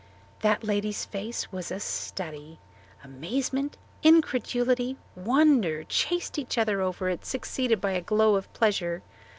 That lady's face was a study. Amazement, incredulity, wonder, chased each other over it, succeeded by a glow of pleasure.